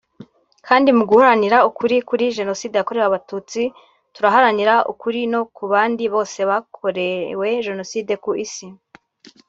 kandi mu guharanira ukuri kuri Jenoside yakorewe Abatutsi turaharanira ukuri no ku bandi bose bakorewe jenoside ku Isi